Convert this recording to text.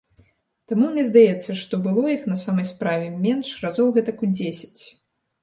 Таму мне здаецца, што было іх на самай справе менш разоў гэтак у дзесяць.